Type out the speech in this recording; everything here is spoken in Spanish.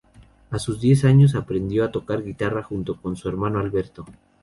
A sus diez años aprendió a tocar guitarra junto con su hermano Alberto.